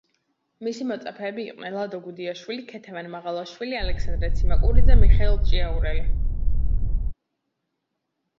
მისი მოწაფეები იყვნენ: ლადო გუდიაშვილი, ქეთევან მაღალაშვილი, ალექსანდრე ციმაკურიძე, მიხეილ ჭიაურელი.